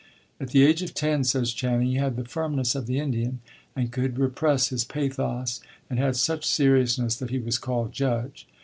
At the age of ten, says Channing, "he had the firmness of the Indian, and could repress his pathos, and had such seriousness that he was called 'judge.'"